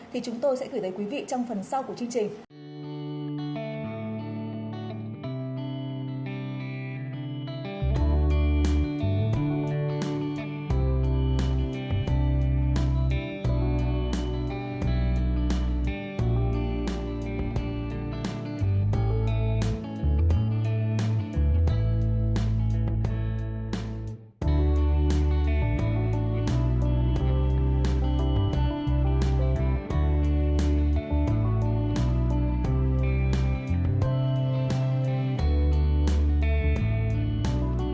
thì chúng tôi sẽ gửi tới quý vị trong phần sau của chương trình